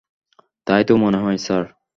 তাই তো মনে হয়, স্যার।